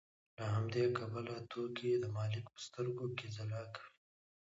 له همدې کبله توکي د مالک په سترګو کې ځلا کوي